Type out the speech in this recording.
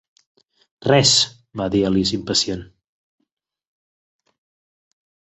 "Res!", va dir Alice impacient.